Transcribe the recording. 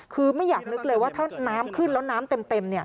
คือไม่อยากนึกเลยว่าถ้าน้ำขึ้นแล้วน้ำเต็ม